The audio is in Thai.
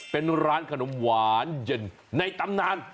เป็นร้านขนมหวานเย็นในตำนาน